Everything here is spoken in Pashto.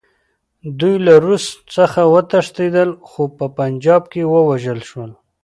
دوی له روس څخه وتښتېدل، خو په پنجاب کې ووژل شول.